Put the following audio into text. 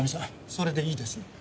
それでいいですね？